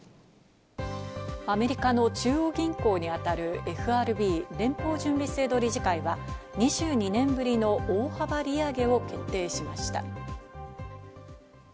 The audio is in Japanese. アメリカの中央銀行に当たるＦＲＢ＝連邦準備制度理事会は２２年ぶりの大幅利上げを決定しました。